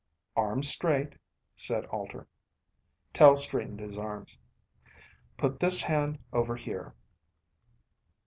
"Arms straight," said Alter. Tel straightened his arms. "Put this hand over here."